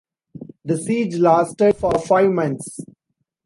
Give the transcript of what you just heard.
The siege lasted for five months.